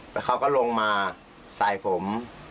แล้วเขาก็ลงมาใส่ผม